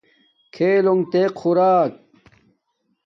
کھاکنݣ تیل خوراک